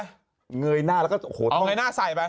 เอเงยหน้าสายไป